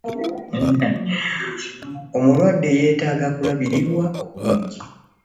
Omulwadde yeetaaga kulabirirwa obulungi.